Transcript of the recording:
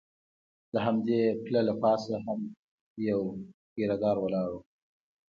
د همدې پله له پاسه هم یو پیره دار ولاړ و.